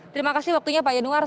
terima kasih waktunya pak yanuar